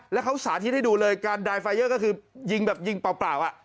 แล้วเขาสาธิตให้ดูเลยการดายไฟเอร์ก็คือยิงแบบยิงเปล่าอ่ะ